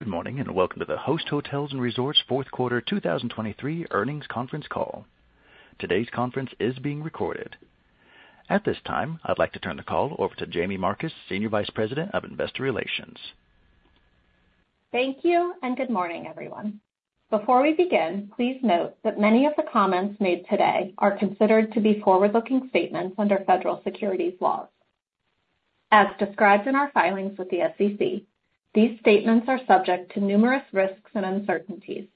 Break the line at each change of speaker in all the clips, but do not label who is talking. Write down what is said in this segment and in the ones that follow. Good morning, and welcome to the Host Hotels & Resorts fourth quarter 2023 earnings conference call. Today's conference is being recorded. At this time, I'd like to turn the call over to Jaime Marcus, Senior Vice President of Investor Relations.
Thank you, and good morning, everyone. Before we begin, please note that many of the comments made today are considered to be forward-looking statements under federal securities laws. As described in our filings with the SEC, these statements are subject to numerous risks and uncertainties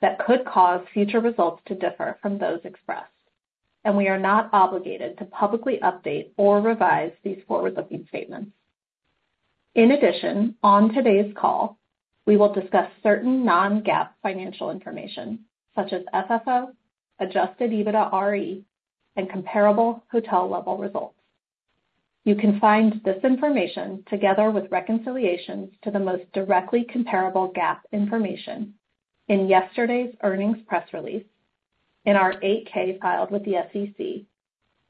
that could cause future results to differ from those expressed, and we are not obligated to publicly update or revise these forward-looking statements. In addition, on today's call, we will discuss certain non-GAAP financial information such as FFO, Adjusted EBITDAre, and comparable hotel-level results. You can find this information, together with reconciliations to the most directly comparable GAAP information, in yesterday's earnings press release, in our 8-K filed with the SEC,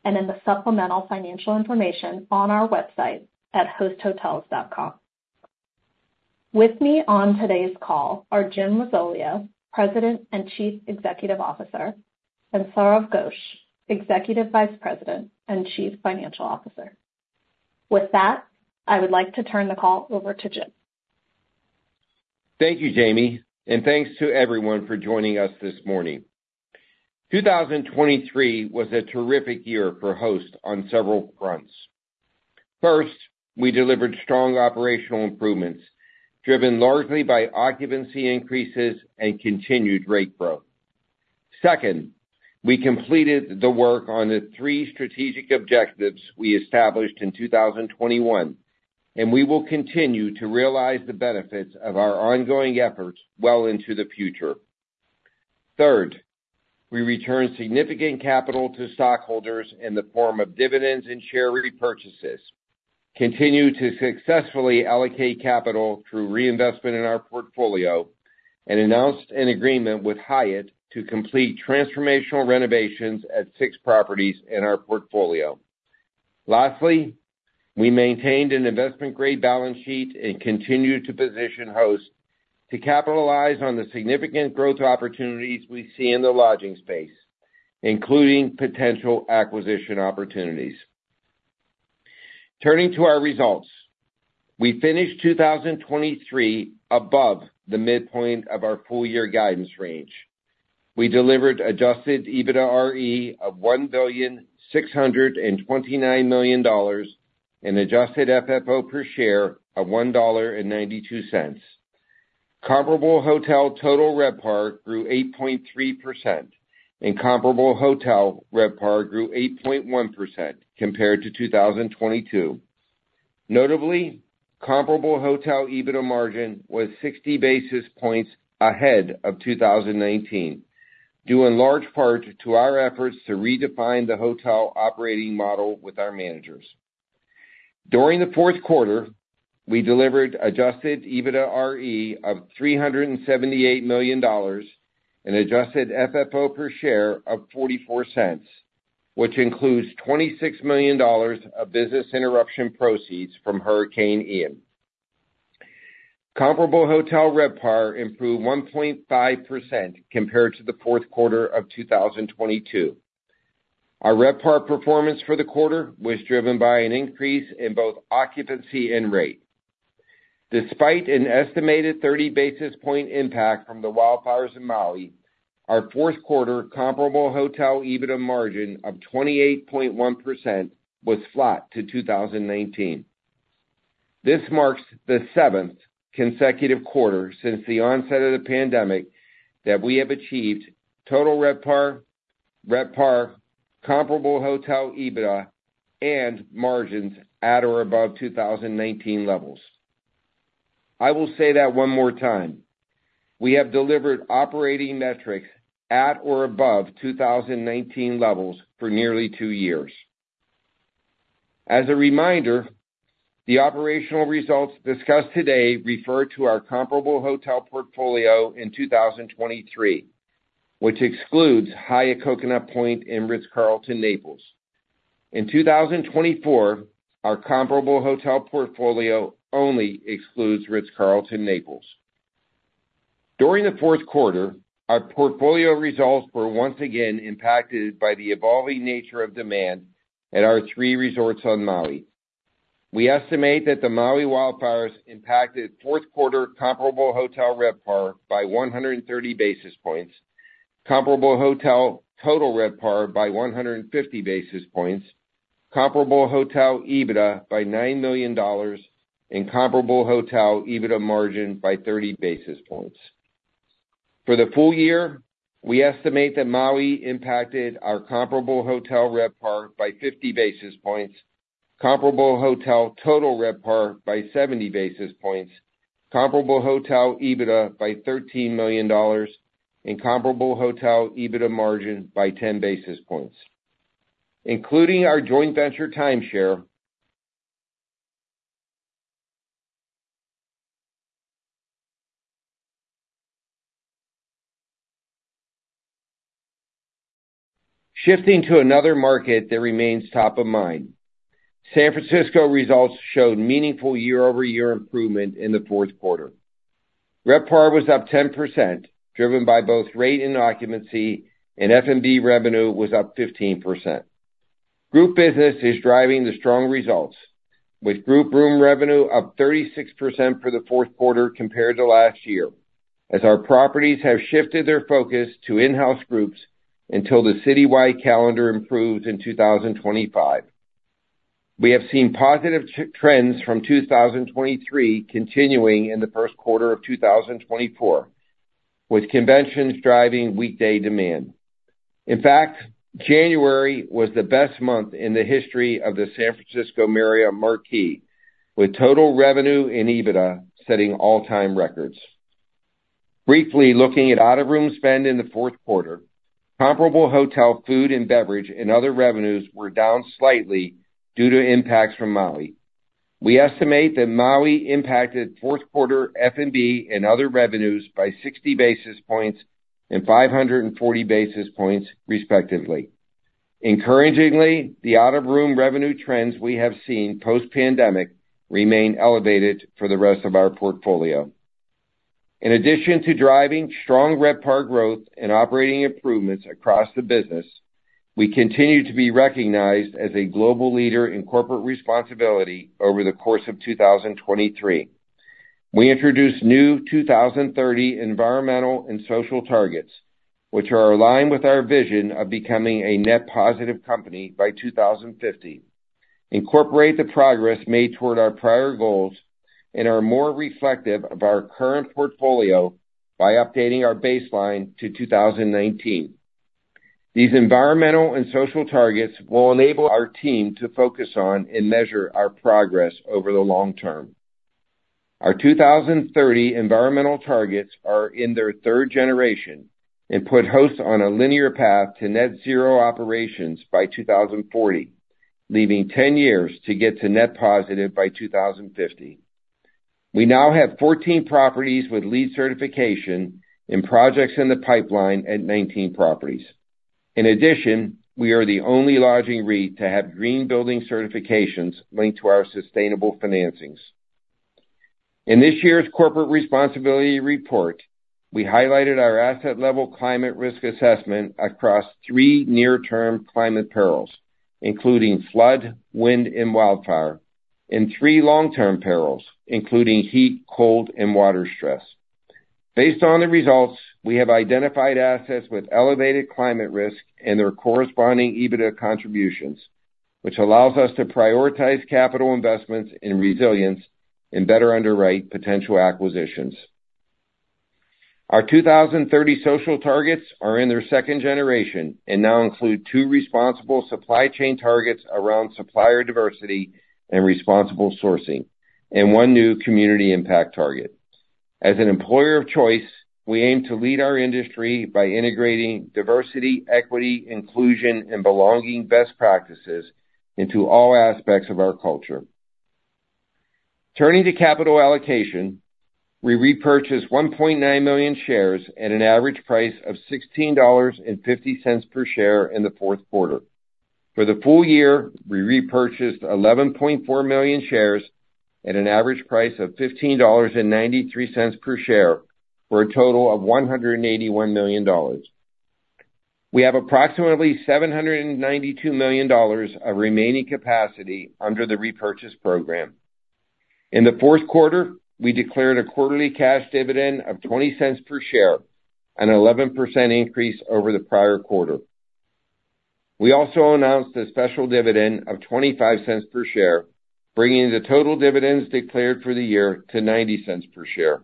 and in the supplemental financial information on our website at hosthotels.com. With me on today's call are Jim Risoleo, President and Chief Executive Officer, and Sourav Ghosh, Executive Vice President and Chief Financial Officer. With that, I would like to turn the call over to Jim.
Thank you, Jaime, and thanks to everyone for joining us this morning. 2023 was a terrific year for Host on several fronts. First, we delivered strong operational improvements, driven largely by occupancy increases and continued rate growth. Second, we completed the work on the three strategic objectives we established in 2021, and we will continue to realize the benefits of our ongoing efforts well into the future. Third, we returned significant capital to stockholders in the form of dividends and share repurchases, continued to successfully allocate capital through reinvestment in our portfolio, and announced an agreement with Hyatt to complete transformational renovations at six properties in our portfolio. Lastly, we maintained an investment-grade balance sheet and continued to position Host to capitalize on the significant growth opportunities we see in the lodging space, including potential acquisition opportunities. Turning to our results. We finished 2023 above the midpoint of our full year guidance range. We delivered Adjusted EBITDAre of $1.629 billion and Adjusted FFO per share of $1.92. Comparable hotel Total RevPAR grew 8.3%, and comparable hotel RevPAR grew 8.1% compared to 2022. Notably, comparable hotel EBITDA margin was 60 basis points ahead of 2019, due in large part to our efforts to redefine the hotel operating model with our managers. During the fourth quarter, we delivered Adjusted EBITDAre of $378 million and Adjusted FFO per share of $0.44, which includes $26 million of business interruption proceeds from Hurricane Ian. Comparable hotel RevPAR improved 1.5% compared to the fourth quarter of 2022. Our RevPAR performance for the quarter was driven by an increase in both occupancy and rate. Despite an estimated 30 basis point impact from the wildfires in Maui, our fourth quarter comparable hotel EBITDA margin of 28.1% was flat to 2019. This marks the seventh consecutive quarter since the onset of the pandemic that we have achieved total RevPAR, RevPAR, comparable hotel EBITDA, and margins at or above 2019 levels. I will say that one more time. We have delivered operating metrics at or above 2019 levels for nearly two years. As a reminder, the operational results discussed today refer to our comparable hotel portfolio in 2023, which excludes Hyatt Coconut Point and Ritz-Carlton Naples. In 2024, our comparable hotel portfolio only excludes Ritz-Carlton Naples. During the fourth quarter, our portfolio results were once again impacted by the evolving nature of demand at our three resorts on Maui. We estimate that the Maui wildfires impacted fourth quarter comparable hotel RevPAR by 130 basis points, comparable hotel total RevPAR by 150 basis points, comparable hotel EBITDA by $9 million, and comparable hotel EBITDA margin by 30 basis points. For the full year, we estimate that Maui impacted our comparable hotel RevPAR by 50 basis points, comparable hotel total RevPAR by 70 basis points, comparable hotel EBITDA by $13 million, and comparable hotel EBITDA margin by 10 basis points, including our joint venture timeshare. Shifting to another market that remains top of mind. San Francisco results showed meaningful year-over-year improvement in the fourth quarter. RevPAR was up 10%, driven by both rate and occupancy, and F&B revenue was up 15%. Group business is driving the strong results, with group room revenue up 36% for the fourth quarter compared to last year, as our properties have shifted their focus to in-house groups until the citywide calendar improves in 2025. We have seen positive trends from 2023 continuing in the first quarter of 2024, with conventions driving weekday demand. In fact, January was the best month in the history of the San Francisco Marriott Marquis, with total revenue and EBITDA setting all-time records. Briefly looking at out-of-room spend in the fourth quarter, comparable hotel food and beverage and other revenues were down slightly due to impacts from Maui. We estimate that Maui impacted fourth quarter F&B and other revenues by 60 basis points and 540 basis points, respectively. Encouragingly, the out-of-room revenue trends we have seen post-pandemic remain elevated for the rest of our portfolio. In addition to driving strong RevPAR growth and operating improvements across the business, we continue to be recognized as a global leader in corporate responsibility over the course of 2023. We introduced new 2030 environmental and social targets, which are aligned with our vision of becoming a net positive company by 2050, incorporate the progress made toward our prior goals, and are more reflective of our current portfolio by updating our baseline to 2019. These environmental and social targets will enable our team to focus on and measure our progress over the long term. Our 2030 environmental targets are in their third generation and put Host on a linear path to net zero operations by 2040, leaving 10 years to get to net positive by 2050. We now have 14 properties with LEED certification and projects in the pipeline at 19 properties. In addition, we are the only lodging REIT to have green building certifications linked to our sustainable financings. In this year's corporate responsibility report, we highlighted our asset level climate risk assessment across three near-term climate perils, including flood, wind, and wildfire, and three long-term perils, including heat, cold, and water stress. Based on the results, we have identified assets with elevated climate risk and their corresponding EBITDA contributions, which allows us to prioritize capital investments in resilience and better underwrite potential acquisitions. Our 2030 social targets are in their second generation and now include two responsible supply chain targets around supplier diversity and responsible sourcing, and one new community impact target. As an employer of choice, we aim to lead our industry by integrating diversity, equity, inclusion, and belonging best practices into all aspects of our culture. Turning to capital allocation, we repurchased 1.9 million shares at an average price of $16.50 per share in the fourth quarter. For the full year, we repurchased 11.4 million shares at an average price of $15.93 per share, for a total of $181 million. We have approximately $792 million of remaining capacity under the repurchase program. In the fourth quarter, we declared a quarterly cash dividend of $0.20 per share, an 11% increase over the prior quarter. We also announced a special dividend of $0.25 per share, bringing the total dividends declared for the year to $0.90 per share.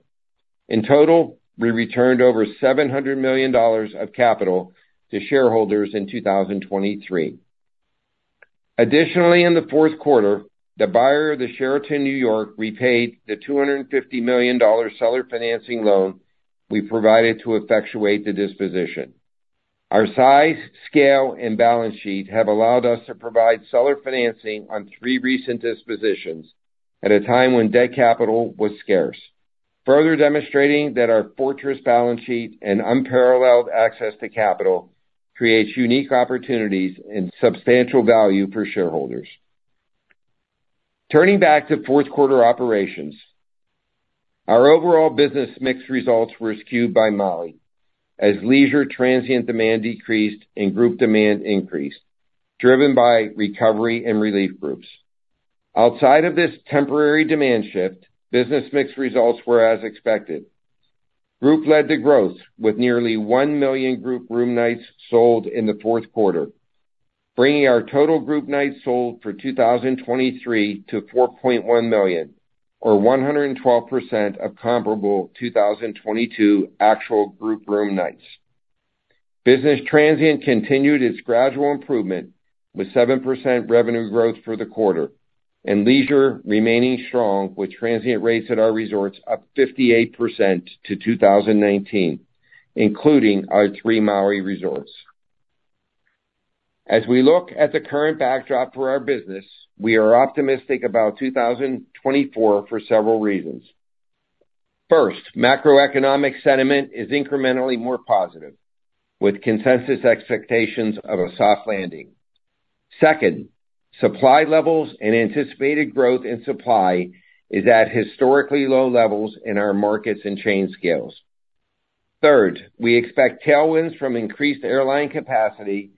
In total, we returned over $700 million of capital to shareholders in 2023. Additionally, in the fourth quarter, the buyer of the Sheraton New York repaid the $250 million seller financing loan we provided to effectuate the disposition. Our size, scale, and balance sheet have allowed us to provide seller financing on three recent dispositions at a time when debt capital was scarce, further demonstrating that our fortress balance sheet and unparalleled access to capital creates unique opportunities and substantial value for shareholders. Turning back to fourth quarter operations, our overall business mix results were skewed by Maui, as leisure transient demand decreased and group demand increased, driven by recovery and relief groups. Outside of this temporary demand shift, business mix results were as expected. Group led to growth, with nearly 1 million group room nights sold in the fourth quarter, bringing our total group nights sold for 2023 to 4.1 million, or 112% of comparable 2022 actual group room nights. Business transient continued its gradual improvement, with 7% revenue growth for the quarter, and leisure remaining strong, with transient rates at our resorts up 58% to 2019, including our three Maui resorts. As we look at the current backdrop for our business, we are optimistic about 2024 for several reasons.... First, macroeconomic sentiment is incrementally more positive, with consensus expectations of a soft landing. Second, supply levels and anticipated growth in supply is at historically low levels in our markets and chain scales. Third, we expect tailwinds from increased airline capacity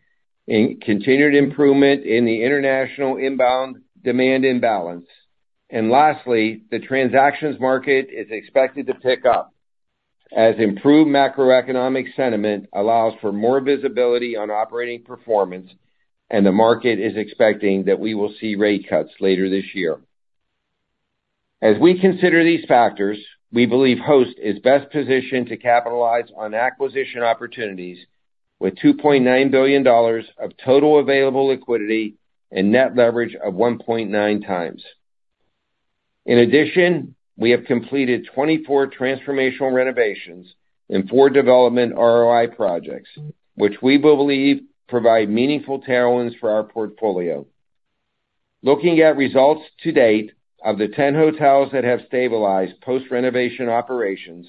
and continued improvement in the international inbound demand imbalance. And lastly, the transactions market is expected to pick up as improved macroeconomic sentiment allows for more visibility on operating performance, and the market is expecting that we will see rate cuts later this year. As we consider these factors, we believe Host is best positioned to capitalize on acquisition opportunities with $2.9 billion of total available liquidity and net leverage of 1.9x. In addition, we have completed 24 transformational renovations and four development ROI projects, which we believe provide meaningful tailwinds for our portfolio. Looking at results to date, of the 10 hotels that have stabilized post-renovation operations,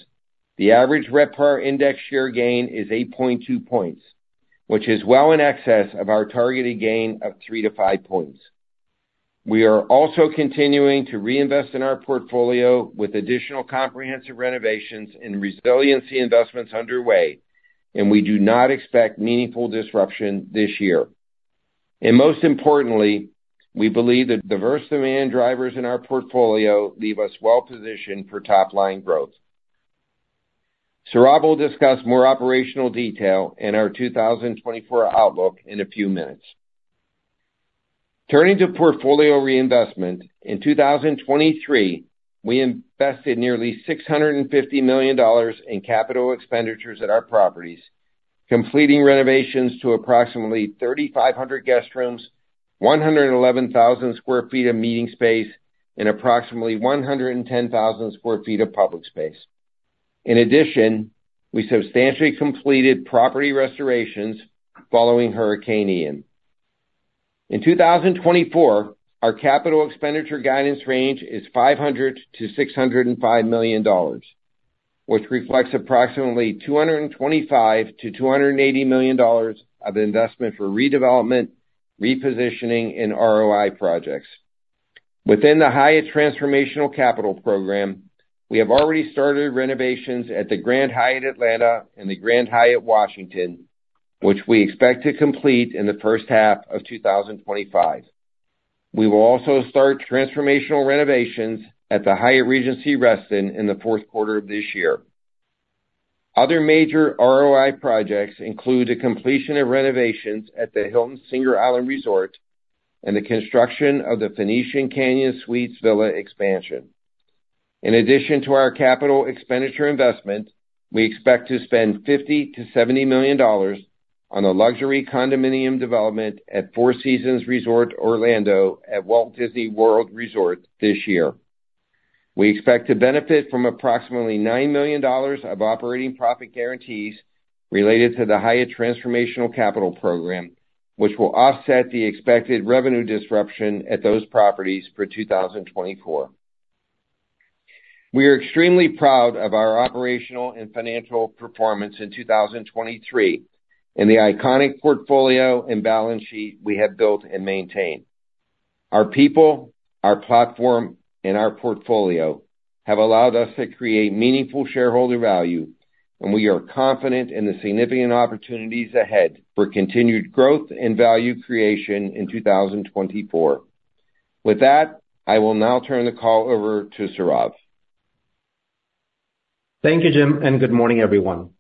the average RevPAR index share gain is 8.2 points, which is well in excess of our targeted gain of three-five points. We are also continuing to reinvest in our portfolio with additional comprehensive renovations and resiliency investments underway, and we do not expect meaningful disruption this year. Most importantly, we believe that diverse demand drivers in our portfolio leave us well positioned for top line growth. Sourav will discuss more operational detail in our 2024 outlook in a few minutes. Turning to portfolio reinvestment, in 2023, we invested nearly $650 million in capital expenditures at our properties, completing renovations to approximately 3,500 guest rooms, 111,000 sq ft of meeting space, and approximately 110,000 sq ft of public space. In addition, we substantially completed property restorations following Hurricane Ian. In 2024, our capital expenditure guidance range is $500 million-$605 million, which reflects approximately $225 million-$280 million of investment for redevelopment, repositioning, and ROI projects. Within the Hyatt Transformational Capital Program, we have already started renovations at the Grand Hyatt Atlanta and the Grand Hyatt Washington, which we expect to complete in the first half of 2025. We will also start transformational renovations at the Hyatt Regency Reston in the fourth quarter of this year. Other major ROI projects include the completion of renovations at the Hilton Singer Island Resort and the construction of the Phoenician Canyon Suites Villa expansion. In addition to our capital expenditure investment, we expect to spend $50 million-$70 million on a luxury condominium development at Four Seasons Resort Orlando at Walt Disney World Resort this year. We expect to benefit from approximately $9 million of operating profit guarantees related to the Hyatt Transformational Capital Program, which will offset the expected revenue disruption at those properties for 2024. We are extremely proud of our operational and financial performance in 2023, and the iconic portfolio and balance sheet we have built and maintained. Our people, our platform, and our portfolio have allowed us to create meaningful shareholder value, and we are confident in the significant opportunities ahead for continued growth and value creation in 2024. With that, I will now turn the call over to Sourav.
Thank you, Jim, and good morning, everyone.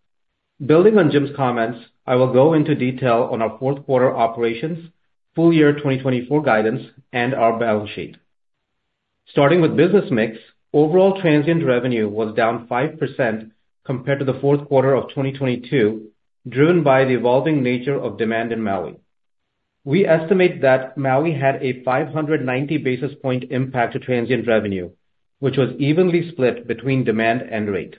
Building on Jim's comments, I will go into detail on our fourth quarter operations, full year 2024 guidance, and our balance sheet. Starting with business mix, overall transient revenue was down 5% compared to the fourth quarter of 2022, driven by the evolving nature of demand in Maui. We estimate that Maui had a 590 basis point impact to transient revenue, which was evenly split between demand and rate.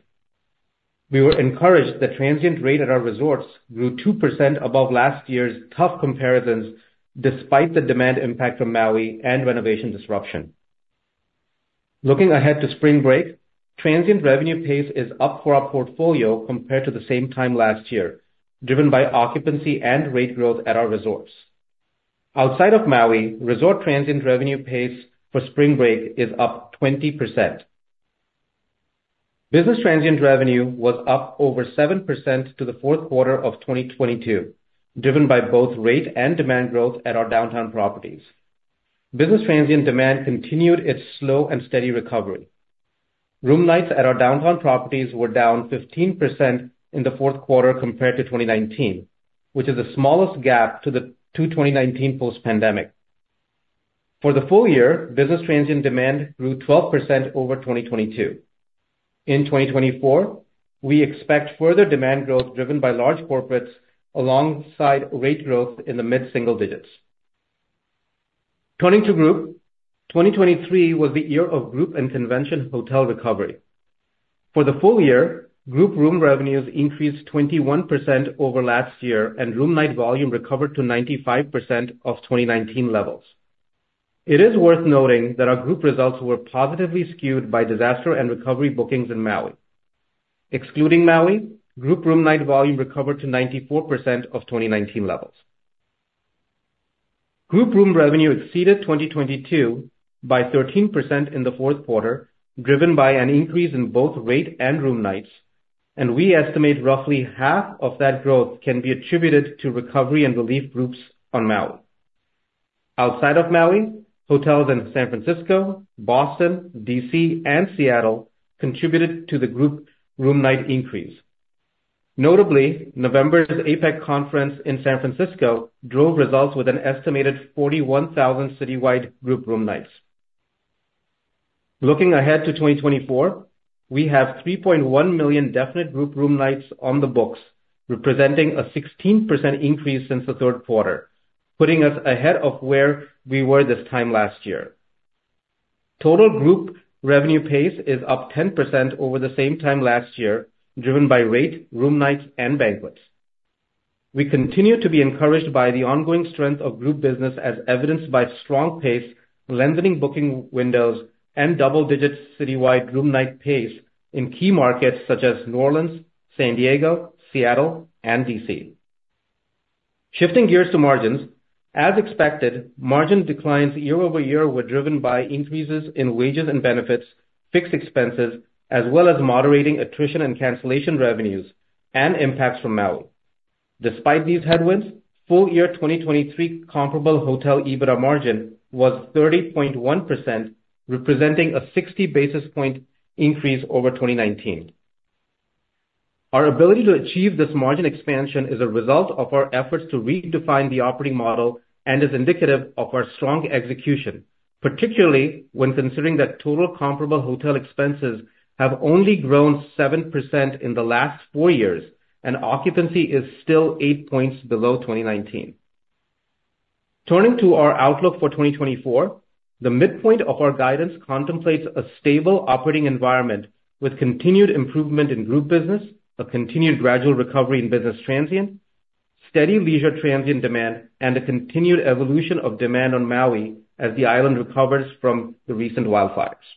We were encouraged that transient rate at our resorts grew 2% above last year's tough comparisons, despite the demand impact from Maui and renovation disruption. Looking ahead to spring break, transient revenue pace is up for our portfolio compared to the same time last year, driven by occupancy and rate growth at our resorts. Outside of Maui, resort transient revenue pace for spring break is up 20%. Business transient revenue was up over 7% to the fourth quarter of 2022, driven by both rate and demand growth at our downtown properties. Business transient demand continued its slow and steady recovery. Room nights at our downtown properties were down 15% in the fourth quarter compared to 2019, which is the smallest gap to the 2019 post-pandemic. For the full year, business transient demand grew 12% over 2022. In 2024, we expect further demand growth driven by large corporates alongside rate growth in the mid-single digits. Turning to group. 2023 was the year of group and convention hotel recovery. For the full year, group room revenues increased 21% over last year, and room night volume recovered to 95% of 2019 levels.... It is worth noting that our group results were positively skewed by disaster and recovery bookings in Maui. Excluding Maui, group room night volume recovered to 94% of 2019 levels. Group room revenue exceeded 2022 by 13% in the fourth quarter, driven by an increase in both rate and room nights, and we estimate roughly half of that growth can be attributed to recovery and relief groups on Maui. Outside of Maui, hotels in San Francisco, Boston, D.C., and Seattle contributed to the group room night increase. Notably, November's APEC conference in San Francisco drove results with an estimated 41,000 citywide group room nights. Looking ahead to 2024, we have 3.1 million definite group room nights on the books, representing a 16% increase since the third quarter, putting us ahead of where we were this time last year. Total group revenue pace is up 10% over the same time last year, driven by rate, room nights, and banquets. We continue to be encouraged by the ongoing strength of group business, as evidenced by strong pace, lengthening booking windows, and double-digit citywide room night pace in key markets such as New Orleans, San Diego, Seattle, and D.C. Shifting gears to margins, as expected, margin declines year-over-year were driven by increases in wages and benefits, fixed expenses, as well as moderating attrition and cancellation revenues and impacts from Maui. Despite these headwinds, full-year 2023 comparable hotel EBITDA margin was 30.1%, representing a sixty basis point increase over 2019. Our ability to achieve this margin expansion is a result of our efforts to redefine the operating model and is indicative of our strong execution, particularly when considering that total comparable hotel expenses have only grown 7% in the last four years, and occupancy is still eight points below 2019. Turning to our outlook for 2024, the midpoint of our guidance contemplates a stable operating environment with continued improvement in group business, a continued gradual recovery in business transient, steady leisure transient demand, and a continued evolution of demand on Maui as the island recovers from the recent wildfires.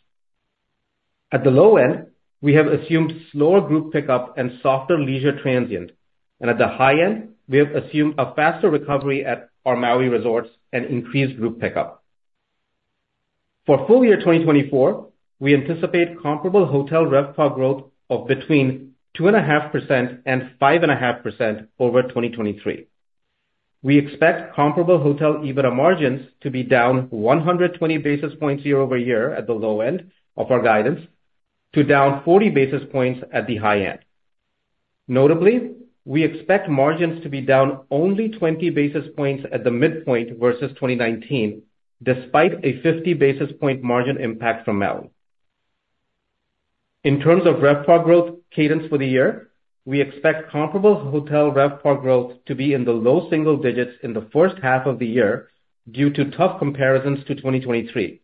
At the low end, we have assumed slower group pickup and softer leisure transient, and at the high end, we have assumed a faster recovery at our Maui resorts and increased group pickup. For full year 2024, we anticipate comparable hotel RevPAR growth of between 2.5% and 5.5% over 2023. We expect comparable hotel EBITDA margins to be down 120 basis points year-over-year at the low end of our guidance, to down 40 basis points at the high end. Notably, we expect margins to be down only 20 basis points at the midpoint versus 2019, despite a 50 basis point margin impact from Maui. In terms of RevPAR growth cadence for the year, we expect comparable hotel RevPAR growth to be in the low single digits in the first half of the year due to tough comparisons to 2023,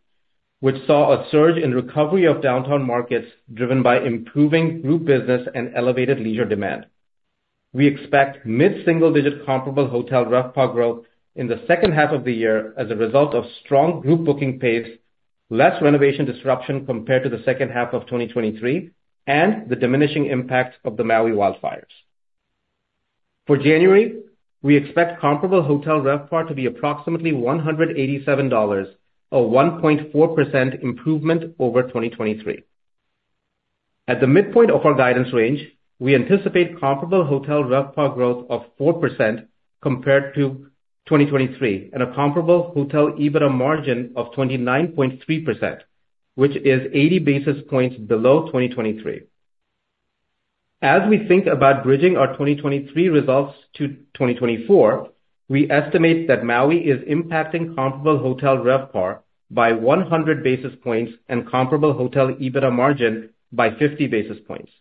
which saw a surge in recovery of downtown markets, driven by improving group business and elevated leisure demand. We expect mid-single-digit comparable hotel RevPAR growth in the second half of the year as a result of strong group booking pace, less renovation disruption compared to the second half of 2023, and the diminishing impact of the Maui wildfires. For January, we expect comparable hotel RevPAR to be approximately $187, a 1.4% improvement over 2023. At the midpoint of our guidance range, we anticipate comparable hotel RevPAR growth of 4% compared to 2023, and a comparable hotel EBITDA margin of 29.3%, which is 80 basis points below 2023. As we think about bridging our 2023 results to 2024, we estimate that Maui is impacting comparable hotel RevPAR by 100 basis points and comparable hotel EBITDA margin by 50 basis points.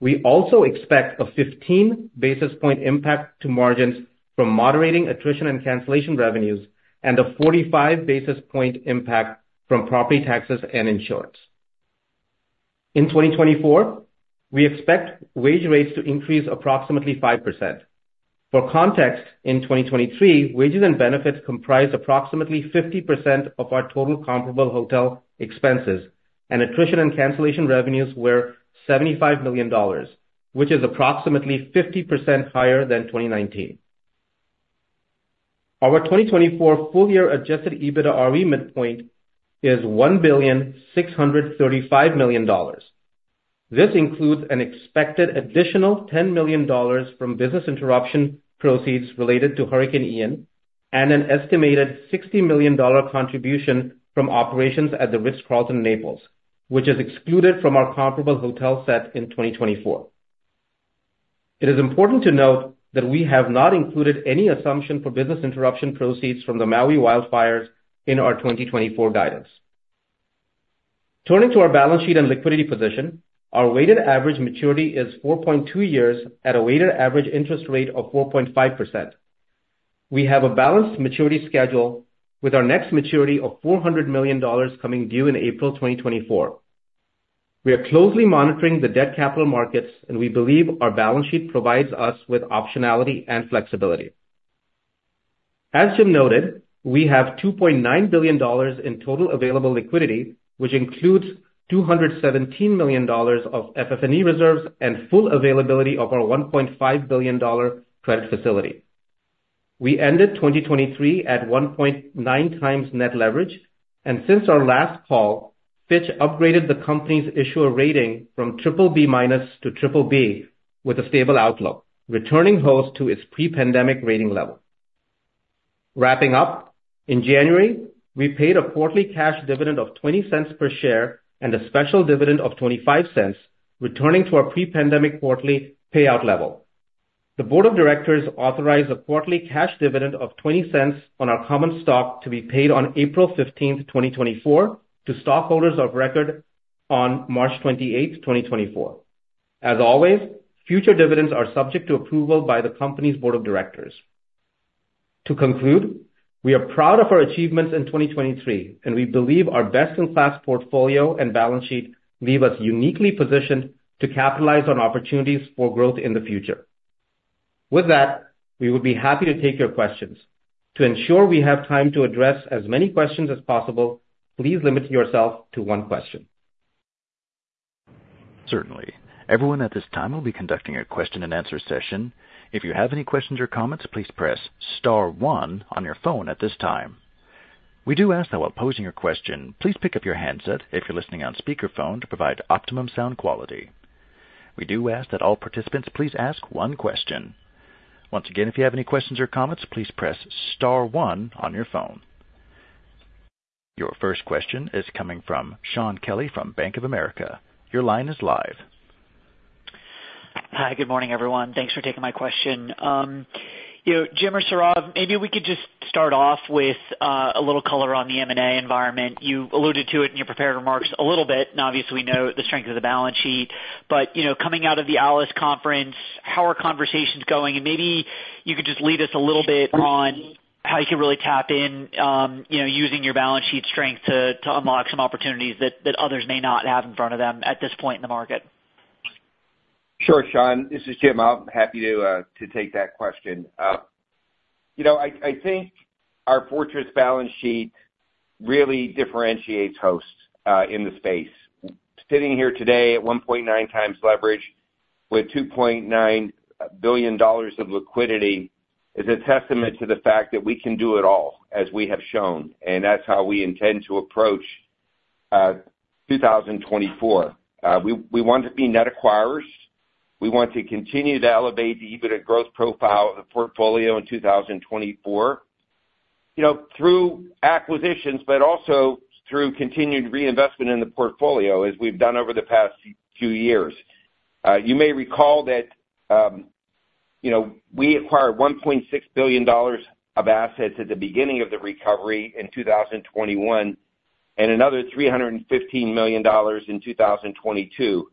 We also expect a 15 basis point impact to margins from moderating attrition and cancellation revenues and a 45 basis point impact from property taxes and insurance. In 2024, we expect wage rates to increase approximately 5%. For context, in 2023, wages and benefits comprised approximately 50% of our total comparable hotel expenses, and attrition and cancellation revenues were $75 million, which is approximately 50% higher than 2019. Our 2024 full year Adjusted EBITDAre midpoint is $1.635 billion. This includes an expected additional $10 million from business interruption proceeds related to Hurricane Ian and an estimated $60 million contribution from operations at the Ritz-Carlton Naples, which is excluded from our comparable hotel set in 2024. It is important to note that we have not included any assumption for business interruption proceeds from the Maui wildfires in our 2024 guidance. Turning to our balance sheet and liquidity position, our weighted average maturity is 4.2 years at a weighted average interest rate of 4.5%. We have a balanced maturity schedule with our next maturity of $400 million coming due in April 2024. We are closely monitoring the debt capital markets, and we believe our balance sheet provides us with optionality and flexibility. As Jim noted, we have $2.9 billion in total available liquidity, which includes $217 million of FF&E reserves and full availability of our $1.5 billion credit facility. We ended 2023 at 1.9x net leverage, and since our last call, Fitch upgraded the company's issuer rating from BBB- to BBB with a stable outlook, returning Host to its pre-pandemic rating level. Wrapping up, in January, we paid a quarterly cash dividend of $0.20 per share and a special dividend of $0.25, returning to our pre-pandemic quarterly payout level. The board of directors authorized a quarterly cash dividend of $0.20 on our common stock to be paid on April 15, 2024, to stockholders of record on March 28, 2024. As always, future dividends are subject to approval by the company's board of directors. To conclude, we are proud of our achievements in 2023, and we believe our best-in-class portfolio and balance sheet leave us uniquely positioned to capitalize on opportunities for growth in the future. With that, we would be happy to take your questions. To ensure we have time to address as many questions as possible, please limit yourself to one question.
Certainly. Everyone at this time will be conducting a question-and-answer session. If you have any questions or comments, please press star one on your phone at this time. We do ask that while posing your question, please pick up your handset if you're listening on speakerphone to provide optimum sound quality. We do ask that all participants please ask one question. Once again, if you have any questions or comments, please press star one on your phone. Your first question is coming from Shaun Kelley from Bank of America. Your line is live.
Hi. Good morning, everyone. Thanks for taking my question. You know, Jim or Sourav, maybe we could just start off with a little color on the M&A environment. You alluded to it in your prepared remarks a little bit, and obviously we know the strength of the balance sheet, but, you know, coming out of the ALIS conference, how are conversations going? And maybe you could just lead us a little bit on how you can really tap in, you know, using your balance sheet strength to unlock some opportunities that others may not have in front of them at this point in the market.
Sure, Sean, this is Jim. I'm happy to take that question. You know, I think our fortress balance sheet really differentiates Host in the space. Sitting here today at 1.9x leverage with $2.9 billion of liquidity is a testament to the fact that we can do it all as we have shown, and that's how we intend to approach 2024. We want to be net acquirers. We want to continue to elevate the EBITDA growth profile of the portfolio in 2024, you know, through acquisitions, but also through continued reinvestment in the portfolio, as we've done over the past two years. You may recall that, you know, we acquired $1.6 billion of assets at the beginning of the recovery in 2021, and another $315 million in 2022.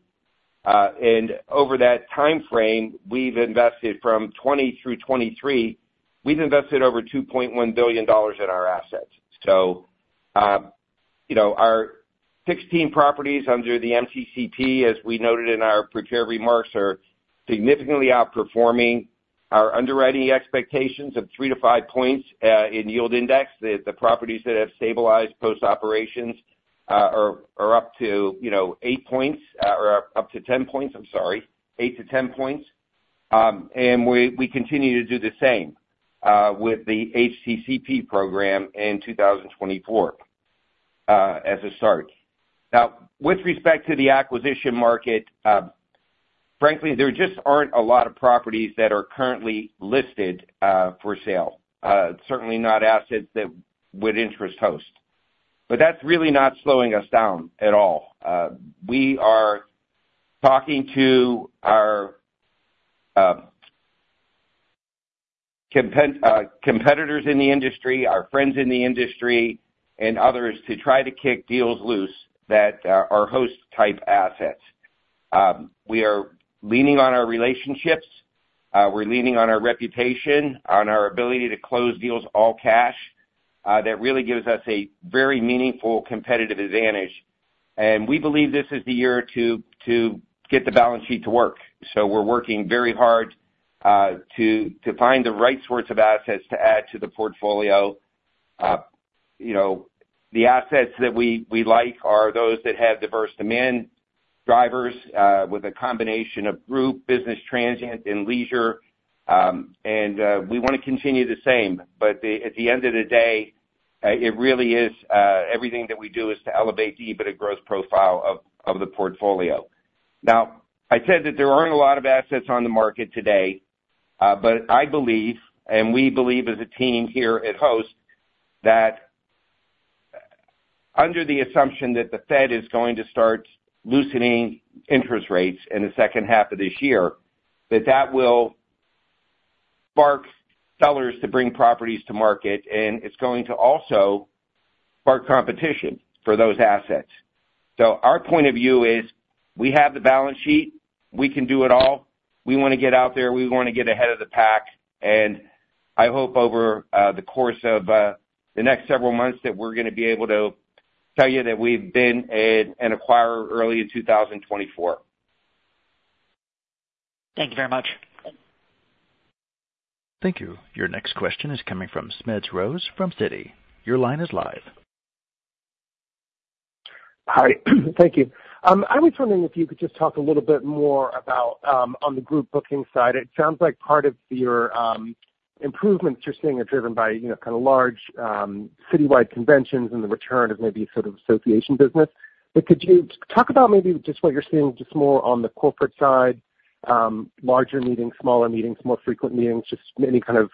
And over that timeframe, we've invested from 2020 through 2023, we've invested over $2.1 billion in our assets. So, you know, our 16 properties under the MTCP, as we noted in our prepared remarks, are significantly outperforming our underwriting expectations of three-five points in yield index. The properties that have stabilized post operations are up to, you know, eight points or up to 10 points, I'm sorry, eight-10 points. And we continue to do the same with the HTCP program in 2024 as a start. Now, with respect to the acquisition market, frankly, there just aren't a lot of properties that are currently listed for sale. Certainly not assets that would interest Host. That's really not slowing us down at all. We are talking to our competitors in the industry, our friends in the industry, and others to try to kick deals loose that are Host-type assets. We are leaning on our relationships, we're leaning on our reputation, on our ability to close deals all cash, that really gives us a very meaningful competitive advantage, and we believe this is the year to get the balance sheet to work. We're working very hard to find the right sorts of assets to add to the portfolio. You know, the assets that we like are those that have diverse demand drivers with a combination of group, business transient, and leisure. And we want to continue the same, but at the end of the day, it really is everything that we do is to elevate the EBITDA growth profile of the portfolio. Now, I said that there aren't a lot of assets on the market today, but I believe, and we believe as a team here at Host, that under the assumption that the Fed is going to start loosening interest rates in the second half of this year, that will spark sellers to bring properties to market, and it's going to also spark competition for those assets. So our point of view is we have the balance sheet, we can do it all. We want to get out there, we want to get ahead of the pack. I hope over the course of the next several months that we're gonna be able to tell you that we've been an acquirer early in 2024.
Thank you very much.
Thank you. Your next question is coming from Smedes Rose from Citi. Your line is live.
Hi, thank you. I was wondering if you could just talk a little bit more about on the group booking side. It sounds like part of your improvements you're seeing are driven by, you know, kind of large citywide conventions and the return of maybe sort of association business. But could you talk about maybe just what you're seeing, just more on the corporate side, larger meetings, smaller meetings, more frequent meetings, just any kind of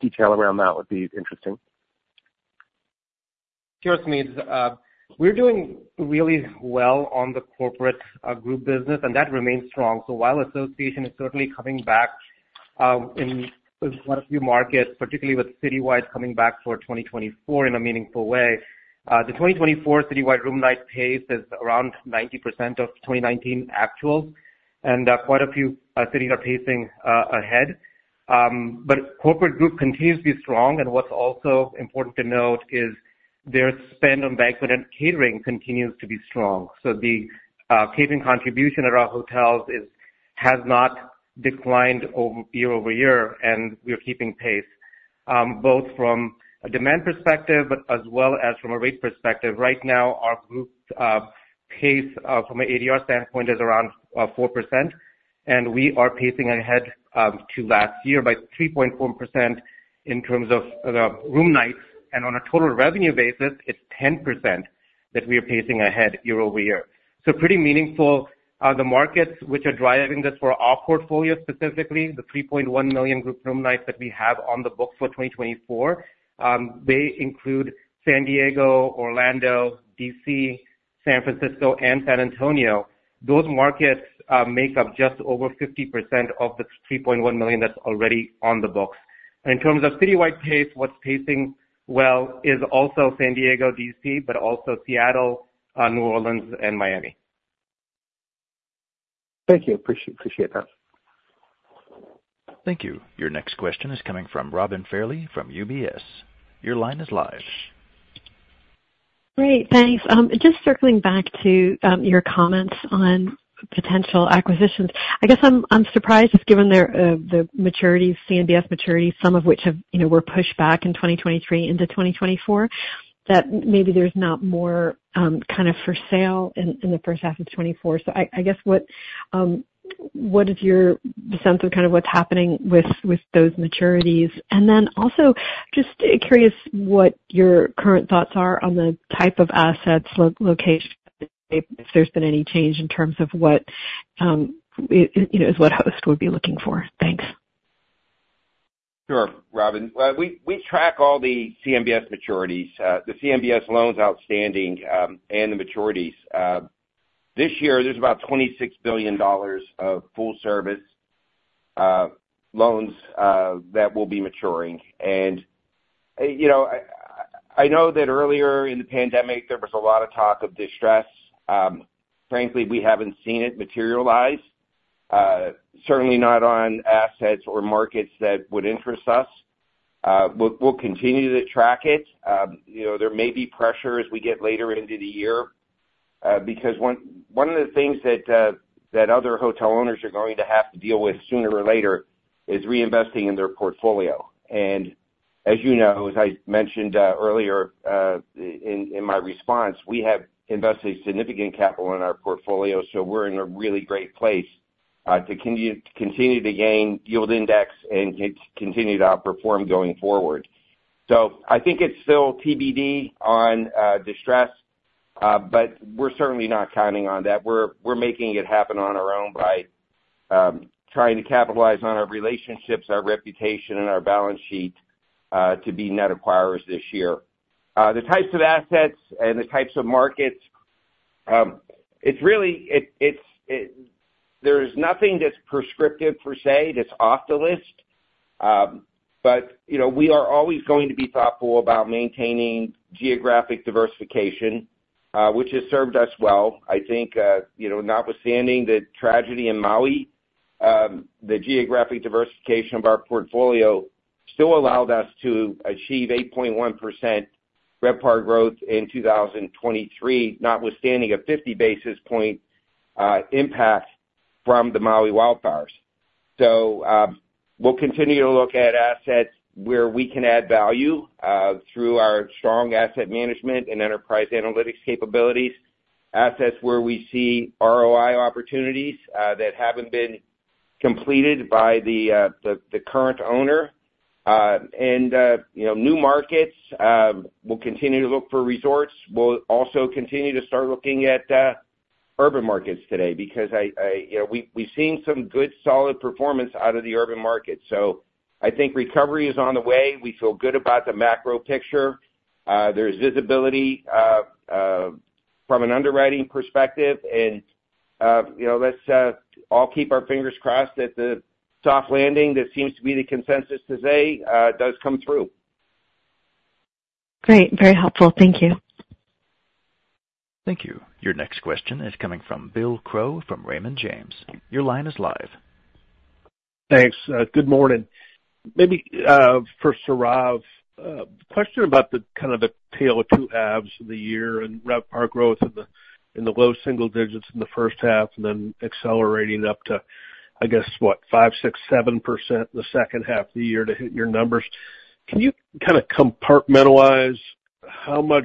detail around that would be interesting.
Sure, Smedes. We're doing really well on the corporate group business, and that remains strong. So while association is certainly coming back in quite a few markets, particularly with citywide coming back for 2024 in a meaningful way, the 2024 citywide room night pace is around 90% of 2019 actuals, and quite a few cities are pacing ahead. But corporate group continues to be strong, and what's also important to note is their spend on banquet and catering continues to be strong. So the catering contribution at our hotels has not declined year-over-year, and we are keeping pace both from a demand perspective, but as well as from a rate perspective. Right now, our group pace from an ADR standpoint is around 4%, and we are pacing ahead to last year by 3.1% in terms of room nights. On a total revenue basis, it's 10% that we are pacing ahead year-over-year. So pretty meaningful. The markets which are driving this for our portfolio, specifically the 3.1 million group room nights that we have on the books for 2024, they include San Diego, Orlando, D.C., San Francisco and San Antonio. Those markets make up just over 50% of the 3.1 million that's already on the books. In terms of citywide pace, what's pacing well is also San Diego, D.C., but also Seattle, New Orleans and Miami.
Thank you. Appreciate that.
Thank you. Your next question is coming from Robin Farley from UBS. Your line is live.
Great, thanks. Just circling back to your comments on potential acquisitions. I guess I'm surprised, given the maturities, CMBS maturities, some of which have, you know, were pushed back in 2023 into 2024, that maybe there's not more kind of for sale in the first half of 2024. So I guess what is your sense of kind of what's happening with those maturities? And then also, just curious what your current thoughts are on the type of assets, location, if there's been any change in terms of what, you know, is what Host would be looking for. Thanks.
Sure, Robin. We track all the CMBS maturities, the CMBS loans outstanding, and the maturities. This year, there's about $26 billion of full service loans that will be maturing. You know, I know that earlier in the pandemic, there was a lot of talk of distress. Frankly, we haven't seen it materialize, certainly not on assets or markets that would interest us. We'll continue to track it. You know, there may be pressure as we get later into the year, because one of the things that other hotel owners are going to have to deal with sooner or later is reinvesting in their portfolio. As you know, as I mentioned earlier, in my response, we have invested significant capital in our portfolio, so we're in a really great place to continue to gain yield index and continue to outperform going forward. So I think it's still TBD on distress, but we're certainly not counting on that. We're making it happen on our own by trying to capitalize on our relationships, our reputation, and our balance sheet to be net acquirers this year. The types of assets and the types of markets, there's nothing that's prescriptive per se, that's off the list, but you know, we are always going to be thoughtful about maintaining geographic diversification, which has served us well. I think, you know, notwithstanding the tragedy in Maui, the geographic diversification of our portfolio still allowed us to achieve 8.1% RevPAR growth in 2023, notwithstanding a 50 basis point impact from the Maui wildfires. So, we'll continue to look at assets where we can add value through our strong asset management and enterprise analytics capabilities, assets where we see ROI opportunities that haven't been completed by the current owner. And, you know, new markets, we'll continue to look for resorts. We'll also continue to start looking at urban markets today because, you know, we've seen some good, solid performance out of the urban market. So I think recovery is on the way. We feel good about the macro picture. There's visibility from an underwriting perspective and, you know, let's all keep our fingers crossed that the soft landing that seems to be the consensus today does come through....
Great, very helpful. Thank you.
Thank you. Your next question is coming from Bill Crow from Raymond James. Your line is live.
Thanks. Good morning. Maybe first, Sourav, question about the kind of the tale of two halves of the year and RevPAR growth in the low single digits in the first half, and then accelerating up to, I guess, what? 5%, 6%, 7% the second half of the year to hit your numbers. Can you kind of compartmentalize how much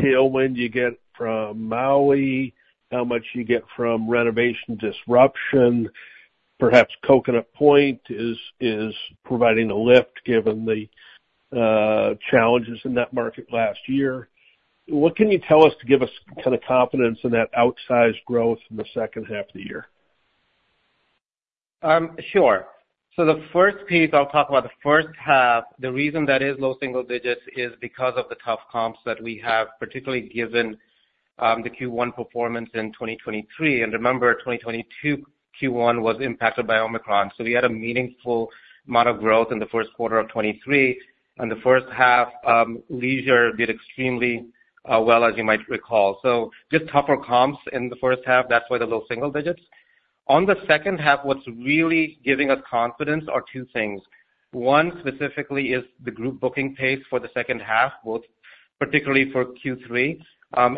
tailwind you get from Maui, how much you get from renovation disruption? Perhaps Coconut Point is providing a lift given the challenges in that market last year. What can you tell us to give us kind of confidence in that outsized growth in the second half of the year?
Sure. So the first piece, I'll talk about the first half. The reason that is low single digits is because of the tough comps that we have, particularly given, the Q1 performance in 2023. And remember, 2022 Q1 was impacted by Omicron, so we had a meaningful amount of growth in the first quarter of 2023. And the first half, leisure did extremely well, as you might recall. So just tougher comps in the first half, that's why the low single digits. On the second half, what's really giving us confidence are two things. One, specifically, is the group booking pace for the second half, both particularly for Q3,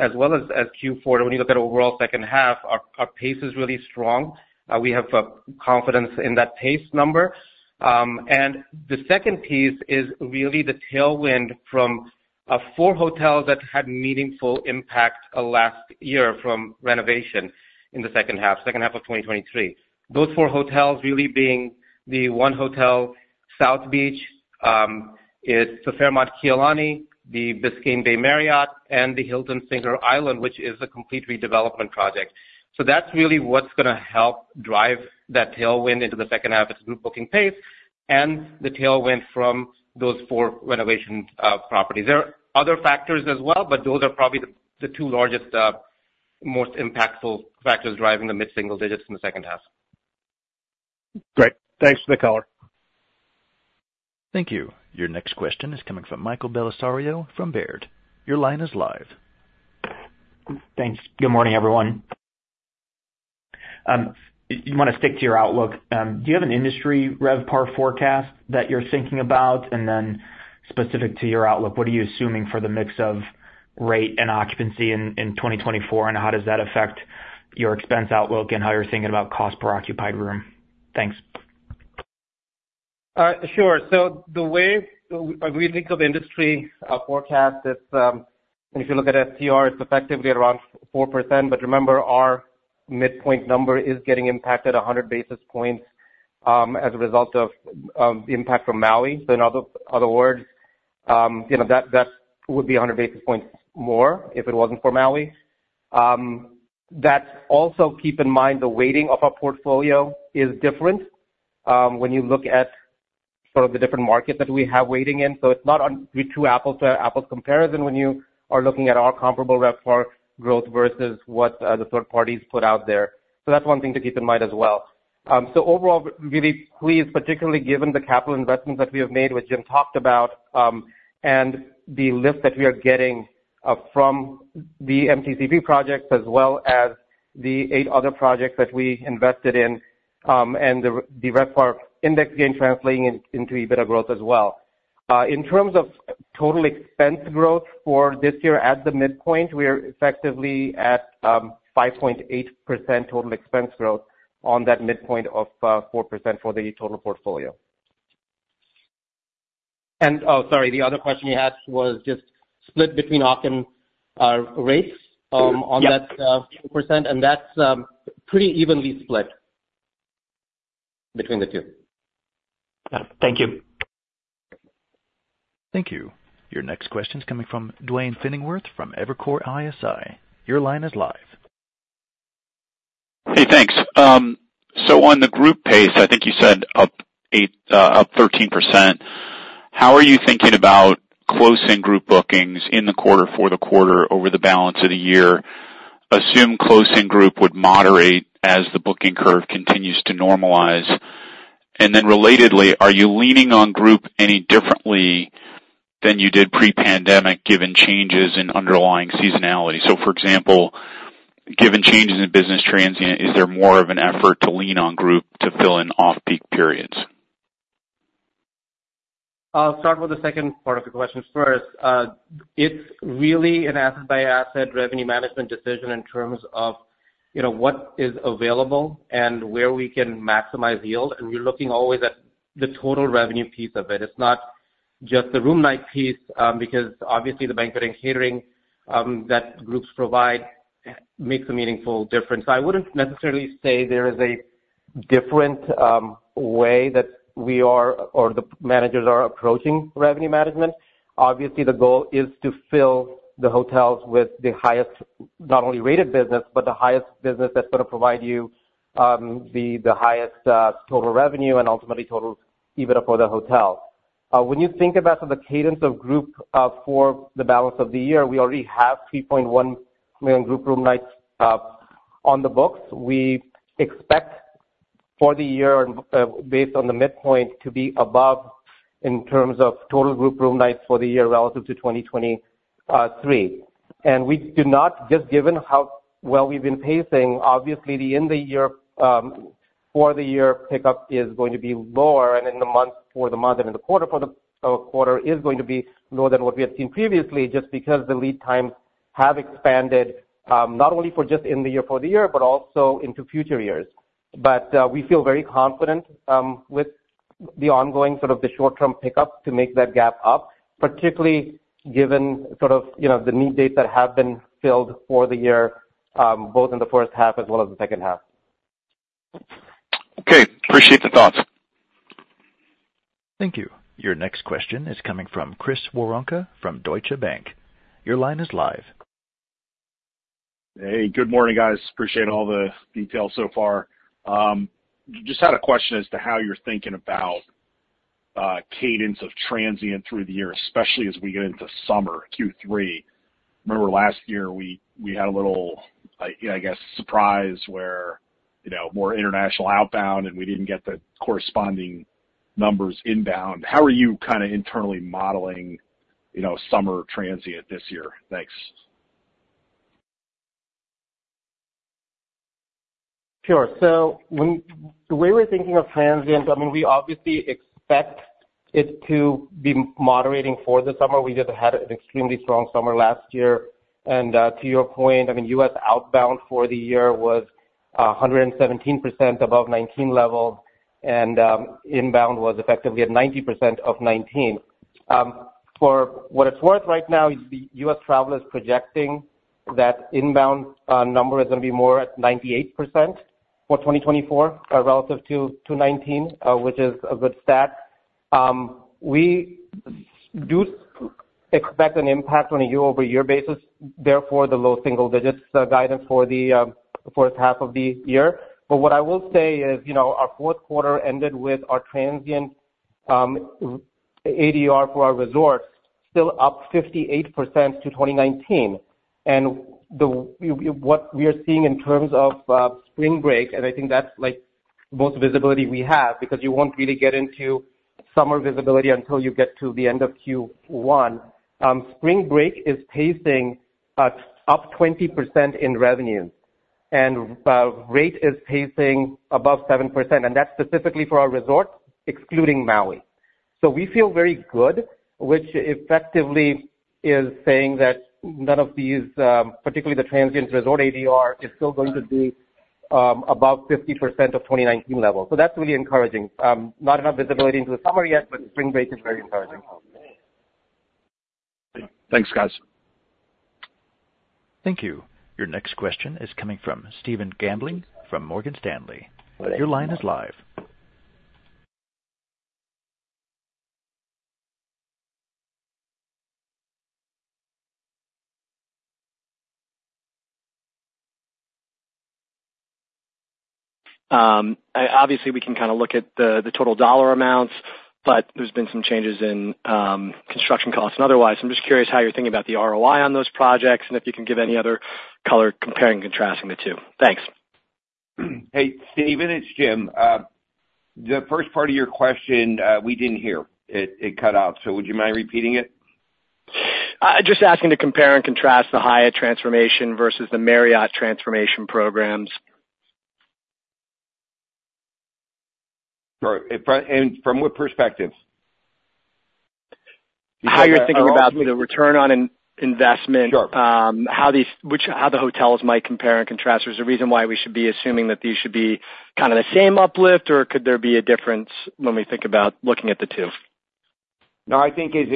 as well as, as Q4. When you look at overall second half, our pace is really strong. We have confidence in that pace number. And the second piece is really the tailwind from four hotels that had meaningful impact last year from renovation in the second half, second half of 2023. Those four hotels really being the 1 Hotel South Beach, the Fairmont Kea Lani, the Miami Marriott Biscayne Bay, and the Hilton Singer Island, which is a complete redevelopment project. So that's really what's gonna help drive that tailwind into the second half, is group booking pace and the tailwind from those four renovation properties. There are other factors as well, but those are probably the two largest, most impactful factors driving the mid single digits in the second half.
Great. Thanks for the color.
Thank you. Your next question is coming from Michael Bellisario from Baird. Your line is live.
Thanks. Good morning, everyone. You want to stick to your outlook. Do you have an industry RevPAR forecast that you're thinking about? And then specific to your outlook, what are you assuming for the mix of rate and occupancy in 2024, and how does that affect your expense outlook and how you're thinking about cost per occupied room? Thanks.
Sure. So the way we think of the industry forecast is, if you look at STR, it's effectively around 4%, but remember, our midpoint number is getting impacted 100 basis points, as a result of, the impact from Maui. So in other words, you know, that would be 100 basis points more if it wasn't for Maui. That's also, keep in mind, the weighting of our portfolio is different, when you look at sort of the different markets that we have weighting in. So it's not a true apples to apples comparison when you are looking at our comparable RevPAR growth versus what, the third parties put out there. So that's one thing to keep in mind as well. So overall, really pleased, particularly given the capital investments that we have made, which Jim talked about, and the lift that we are getting from the MTCP projects, as well as the eight other projects that we invested in, and the RevPAR index gain translating into EBITDA growth as well. In terms of total expense growth for this year, at the midpoint, we are effectively at 5.8% total expense growth on that midpoint of 4% for the total portfolio. And, oh, sorry, the other question you asked was just split between occ and rates on that percent, and that's pretty evenly split between the two.
Thank you.
Thank you. Your next question is coming from Duane Pfennigwerth from Evercore ISI. Your line is live.
Hey, thanks. So on the group pace, I think you said up 13%. How are you thinking about close-in group bookings in the quarter for the quarter over the balance of the year? Assume close-in group would moderate as the booking curve continues to normalize. And then relatedly, are you leaning on group any differently than you did pre-pandemic, given changes in underlying seasonality? So for example, given changes in business transient, is there more of an effort to lean on group to fill in off-peak periods?
I'll start with the second part of the question first. It's really an asset-by-asset revenue management decision in terms of, you know, what is available and where we can maximize yield, and we're looking always at the total revenue piece of it. It's not just the room night piece, because obviously the banqueting catering, that groups provide makes a meaningful difference. So I wouldn't necessarily say there is a different, way that we are or the managers are approaching revenue management. Obviously, the goal is to fill the hotels with the highest, not only rated business, but the highest business that's going to provide you, the highest total revenue and ultimately total EBITDA for the hotel. When you think about the cadence of group for the balance of the year, we already have 3.1 million group room nights on the books. We expect for the year, based on the midpoint, to be above in terms of total group room nights for the year relative to 2023. And we do not, just given how well we've been pacing, obviously, the in the year, for the year pickup is going to be lower, and in the month for the month and the quarter, for the quarter is going to be lower than what we had seen previously, just because the lead times have expanded, not only for just in-the-year-for-the-year, but also into future years. But we feel very confident with the ongoing short-term pickup to make that gap up, particularly given, you know, the need dates that have been filled for the year, both in the first half as well as the second half.
Okay. Appreciate the thoughts.
Thank you. Your next question is coming from Chris Woronka from Deutsche Bank. Your line is live.
Hey, good morning, guys. Appreciate all the details so far. Just had a question as to how you're thinking about cadence of transient through the year, especially as we get into summer, Q3. Remember last year, we had a little surprise where, you know, more international outbound, and we didn't get the corresponding numbers inbound. How are you kind of internally modeling, you know, summer transient this year? Thanks.
Sure. So the way we're thinking of transient, I mean, we obviously expect it to be moderating for the summer. We just had an extremely strong summer last year, and to your point, I mean, U.S. outbound for the year was 117% above 2019 level, and inbound was effectively at 90% of 2019. For what it's worth, right now, the US Travel is projecting that inbound number is gonna be more at 98% for 2024 relative to 2019, which is a good stat. We do expect an impact on a year-over-year basis, therefore, the low single digits guidance for the fourth half of the year. But what I will say is, you know, our fourth quarter ended with our transient ADR for our resorts still up 58% to 2019. What we are seeing in terms of spring break, and I think that's, like, most visibility we have, because you won't really get into summer visibility until you get to the end of Q1. Spring break is pacing up 20% in revenue, and rate is pacing above 7%, and that's specifically for our resorts, excluding Maui. So we feel very good, which effectively is saying that none of these, particularly the transient resort ADR, is still going to be above 50% of 2019 levels. So that's really encouraging. Not enough visibility into the summer yet, but spring break is very encouraging.
Thanks, guys.
Thank you. Your next question is coming from Stephen Grambling from Morgan Stanley. Your line is live.
Obviously, we can kind of look at the total dollar amounts, but there's been some changes in construction costs and otherwise. I'm just curious how you're thinking about the ROI on those projects and if you can give any other color comparing and contrasting the two. Thanks.
Hey, Steven, it's Jim. The first part of your question, we didn't hear. It cut out, so would you mind repeating it?
Just asking to compare and contrast the Hyatt transformation versus the Marriott transformation programs?
Sorry, from what perspectives?
How you're thinking about the return on investment-
Sure.
How the hotels might compare and contrast. There's a reason why we should be assuming that these should be kind of the same uplift, or could there be a difference when we think about looking at the two?
No, I think as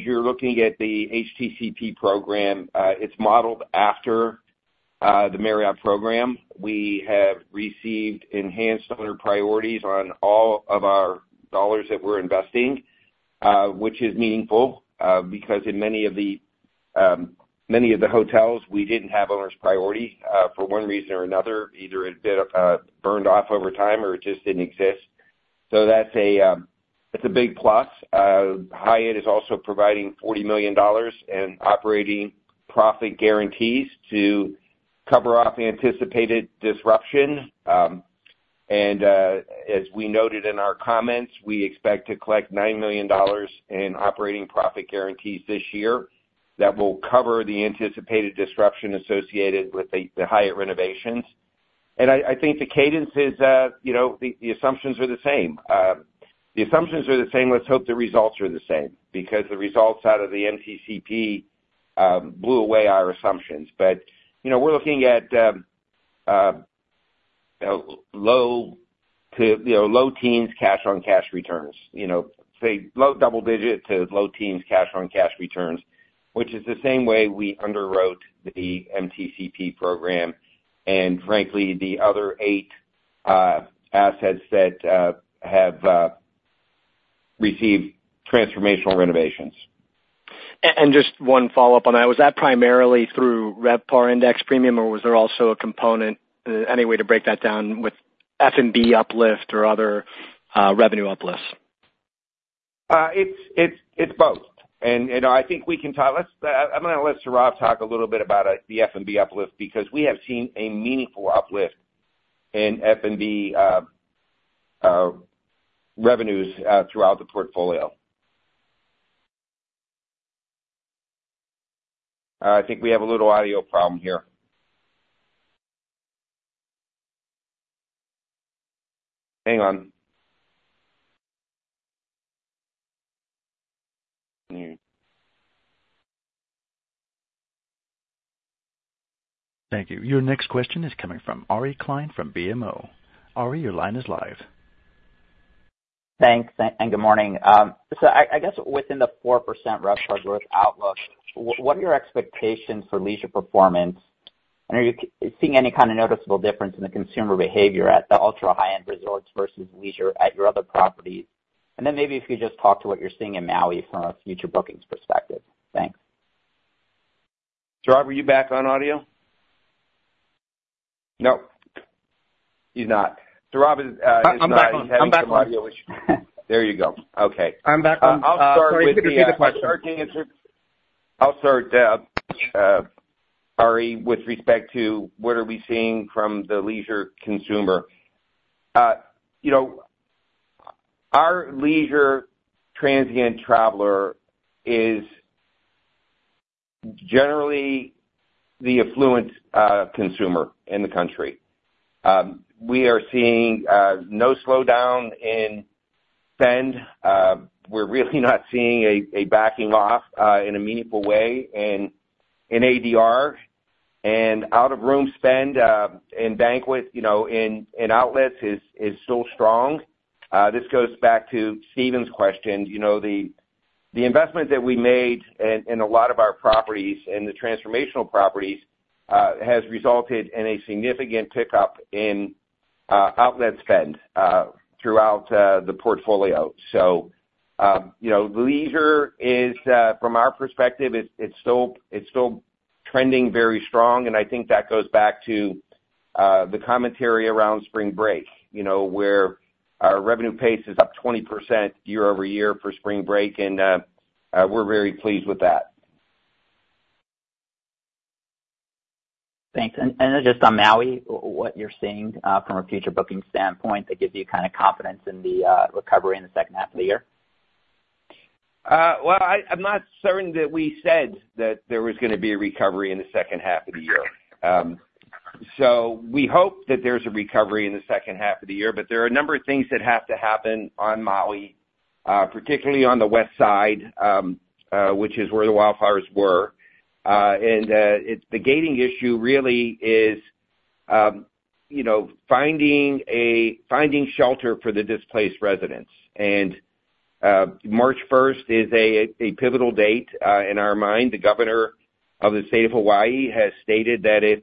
you're looking at the HTCP program, it's modeled after the Marriott program. We have received enhanced owner priorities on all of our dollars that we're investing, which is meaningful, because in many of the hotels, we didn't have owner's priority for one reason or another. Either it had been burned off over time or it just didn't exist. So that's a big plus. Hyatt is also providing $40 million in operating profit guarantees to cover off the anticipated disruption. And as we noted in our comments, we expect to collect $9 million in operating profit guarantees this year that will cover the anticipated disruption associated with the Hyatt renovations. And I think the cadence is, you know, the assumptions are the same. The assumptions are the same. Let's hope the results are the same, because the results out of the MTCP blew away our assumptions. But, you know, we're looking at low to, you know, low teens cash-on-cash returns. You know, say, low double digit to low teens cash-on-cash returns, which is the same way we underwrote the MTCP program, and frankly, the other eight assets that have received transformational renovations.
Just one follow-up on that. Was that primarily through RevPAR index premium, or was there also a component, any way to break that down with F&B uplift or other revenue uplifts?...
It's both. I think we can talk. I'm gonna let Sourav talk a little bit about the F&B uplift, because we have seen a meaningful uplift in F&B revenues throughout the portfolio. I think we have a little audio problem here. Hang on.
Thank you. Your next question is coming from Ari Klein from BMO. Ari, your line is live.
Thanks, and good morning. So I guess within the 4% RevPAR growth outlook, what are your expectations for leisure performance? And are you seeing any kind of noticeable difference in the consumer behavior at the ultra high-end resorts versus leisure at your other properties? And then maybe if you just talk to what you're seeing in Maui from a future bookings perspective. Thanks.
Sourav, are you back on audio? Nope, he's not. Sourav is, He's having some audio issues. There you go. Okay. I'll start the answer. I'll start, Ari, with respect to what are we seeing from the leisure consumer. You know, our leisure transient traveler is generally the affluent, consumer in the country. We are seeing, no slowdown in spend. We're really not seeing a, a backing off, in a meaningful way in, in ADR and out-of-room spend, in banquet, you know, in, in outlets is, is still strong. This goes back to Stephen's question. You know, the investment that we made in a lot of our properties and the transformational properties has resulted in a significant pickup in outlet spend throughout the portfolio. So, you know, leisure is from our perspective, it's still trending very strong, and I think that goes back to the commentary around spring break, you know, where our revenue pace is up 20% year-over-year for spring break, and we're very pleased with that.
Thanks. And then just on Maui, what you're seeing from a future booking standpoint, that gives you kind of confidence in the recovery in the second half of the year?
Well, I'm not certain that we said that there was gonna be a recovery in the second half of the year. So we hope that there's a recovery in the second half of the year, but there are a number of things that have to happen on Maui, particularly on the west side, which is where the wildfires were. And, it's the gating issue really is, you know, finding a, finding shelter for the displaced residents. And, March 1st is a, a pivotal date, in our mind. The governor of the state of Hawaii has stated that if,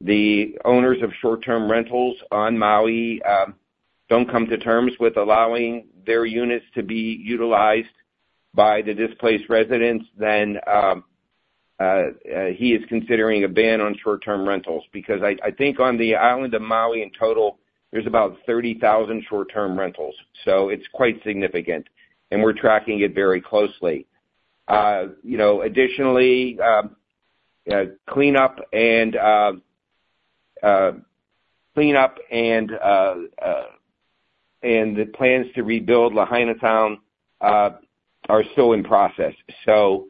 the owners of short-term rentals on Maui, don't come to terms with allowing their units to be utilized by the displaced residents, then, he is considering a ban on short-term rentals. Because I think on the island of Maui, in total, there's about 30,000 short-term rentals, so it's quite significant, and we're tracking it very closely. You know, additionally, cleanup and the plans to rebuild Lahaina town are still in process. So,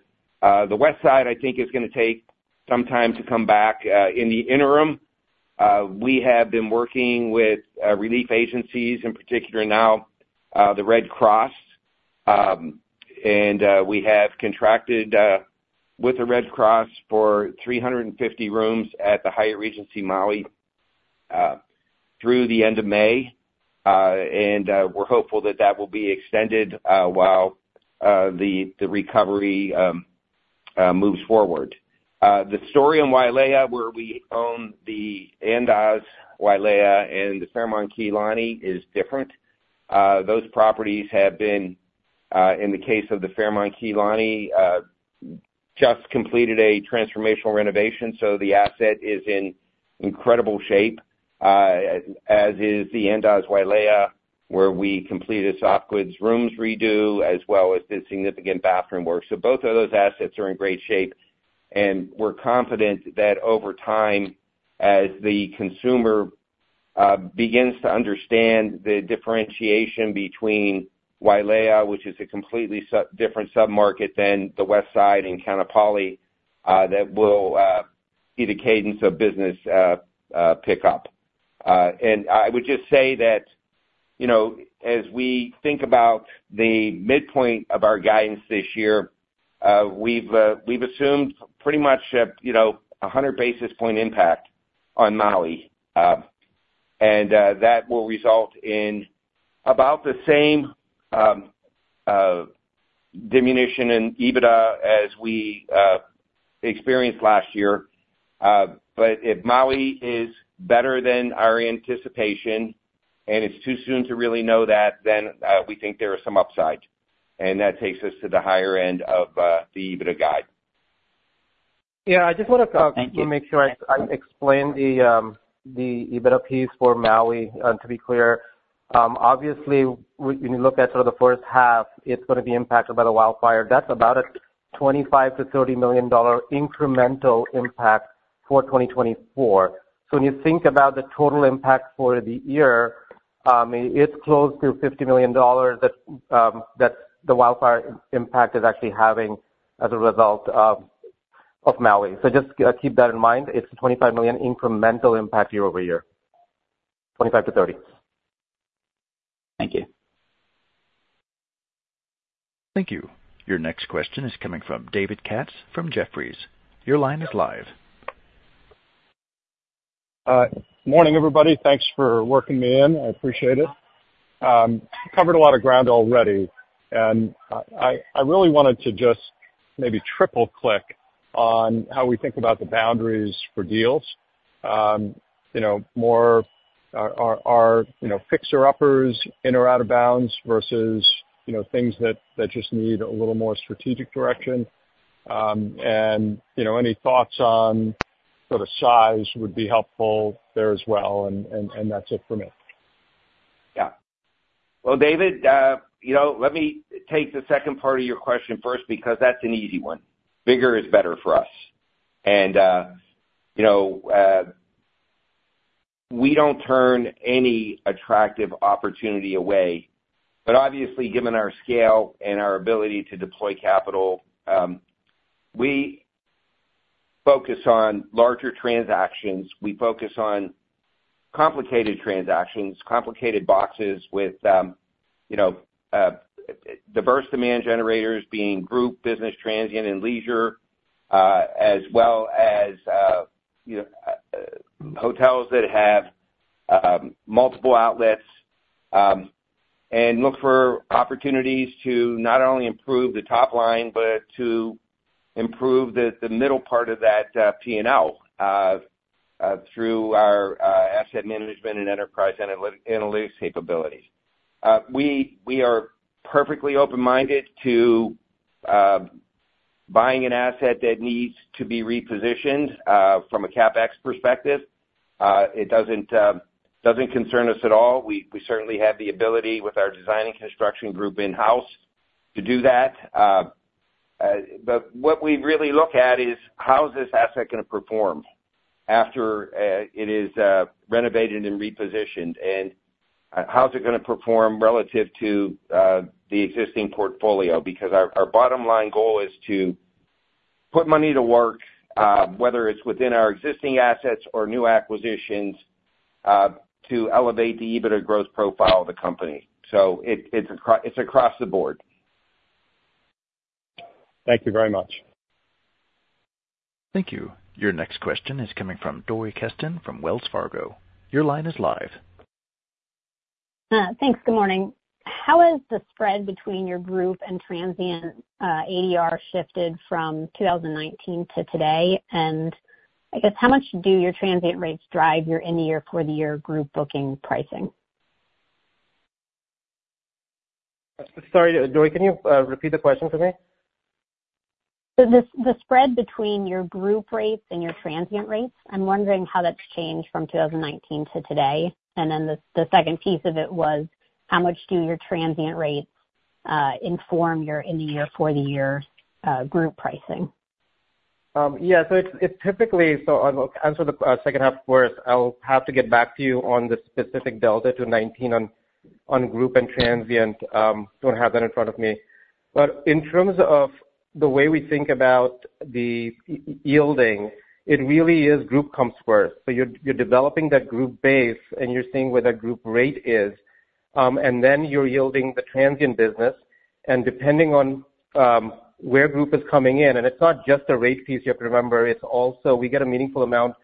the west side, I think is gonna take some time to come back. In the interim, we have been working with relief agencies, in particular now, the Red Cross. And, we have contracted with the Red Cross for 350 rooms at the Hyatt Regency Maui through the end of May. And, we're hopeful that that will be extended while the recovery moves forward. The story in Wailea, where we own the Andaz Wailea and the Fairmont Kea Lani, is different. Those properties have been, in the case of the Fairmont Kea Lani, just completed a transformational renovation, so the asset is in incredible shape, as is the Andaz Wailea, where we completed a soft goods rooms redo, as well as the significant bathroom work. So both of those assets are in great shape, and we're confident that over time, as the consumer, begins to understand the differentiation between Wailea, which is a completely different sub-market than the west side and Kaanapali, that will see the cadence of business, pick up. I would just say that, you know, as we think about the midpoint of our guidance this year, we've assumed pretty much, you know, 100 basis point impact on Maui. And that will result in about the same diminution in EBITDA as we experienced last year. But if Maui is better than our anticipation, and it's too soon to really know that, then we think there are some upsides, and that takes us to the higher end of the EBITDA guide....
Yeah, I just want to make sure I explained the EBITDA piece for Maui to be clear. Obviously, when you look at sort of the first half, it's going to be impacted by the wildfire. That's about a $25-$30 million incremental impact for 2024. So when you think about the total impact for the year, it's close to $50 million that the wildfire impact is actually having as a result of Maui. So just keep that in mind. It's a $25 million incremental impact year-over-year. 25-30.
Thank you.
Thank you. Your next question is coming from David Katz from Jefferies. Your line is live.
Morning, everybody. Thanks for working me in. I appreciate it. Covered a lot of ground already, and I really wanted to just maybe triple-click on how we think about the boundaries for deals. You know, more are fixer-uppers in or out of bounds versus, you know, things that just need a little more strategic direction. And, you know, any thoughts on sort of size would be helpful there as well, and that's it for me.
Yeah. Well, David, you know, let me take the second part of your question first, because that's an easy one. Bigger is better for us. You know, we don't turn any attractive opportunity away. But obviously, given our scale and our ability to deploy capital, we focus on larger transactions. We focus on complicated transactions, complicated boxes with, you know, diverse demand generators being group, business, transient, and leisure, as well as, you know, hotels that have, multiple outlets, and look for opportunities to not only improve the top line, but to improve the, the middle part of that, P&L, through our, asset management and enterprise analytics capabilities. We are perfectly open-minded to, buying an asset that needs to be repositioned, from a CapEx perspective. It doesn't concern us at all. We certainly have the ability with our design and construction group in-house to do that. But what we really look at is, how is this asset going to perform after it is renovated and repositioned? And how's it going to perform relative to the existing portfolio? Because our bottom line goal is to put money to work, whether it's within our existing assets or new acquisitions, to elevate the EBITDA growth profile of the company. So it's across the board.
Thank you very much.
Thank you. Your next question is coming from Dori Kesten from Wells Fargo. Your line is live.
Thanks. Good morning. How has the spread between your group and transient ADR shifted from 2019 to today? And I guess, how much do your transient rates drive your in the year for the year group booking pricing?
Sorry, Dori, can you repeat the question for me?
So the spread between your group rates and your transient rates, I'm wondering how that's changed from 2019 to today. And then the second piece of it was: How much do your transient rates inform your in the year for the year group pricing?
Yeah, so it's typically... So I'll answer the second half first. I'll have to get back to you on the specific delta to 19 on group and transient. Don't have that in front of me. But in terms of the way we think about the yielding, it really is group comes first. So you're developing that group base, and you're seeing where that group rate is. And then you're yielding the transient business, and depending on where group is coming in, and it's not just the rate piece, you have to remember, it's also we get a meaningful amount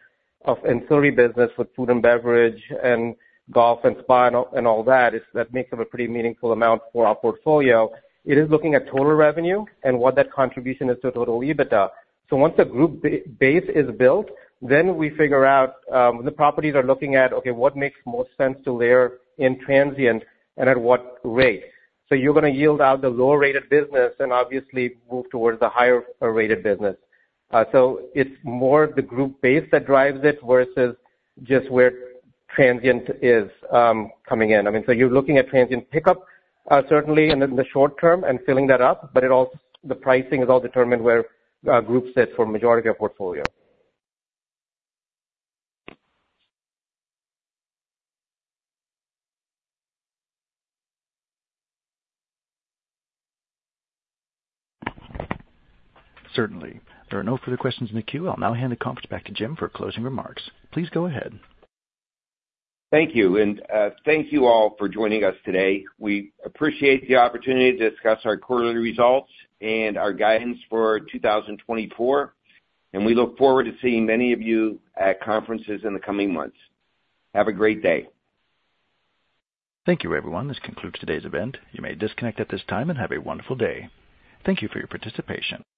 of ancillary business with food and beverage and golf and spa and all that. That makes up a pretty meaningful amount for our portfolio. It is looking at total revenue and what that contribution is to total EBITDA. So once the group base is built, then we figure out the properties are looking at, okay, what makes most sense to layer in transient and at what rate? So you're going to yield out the lower-rated business and obviously move towards the higher-rated business. So it's more the group base that drives it versus just where transient is coming in. I mean, so you're looking at transient pickup certainly in the short term and filling that up, but the pricing is all determined where group sits for majority of our portfolio.
Certainly. There are no further questions in the queue. I'll now hand the conference back to Jim for closing remarks. Please go ahead.
Thank you, and thank you all for joining us today. We appreciate the opportunity to discuss our quarterly results and our guidance for 2024, and we look forward to seeing many of you at conferences in the coming months. Have a great day.
Thank you, everyone. This concludes today's event. You may disconnect at this time and have a wonderful day. Thank you for your participation.